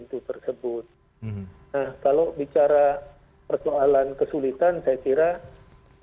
terima kasih pak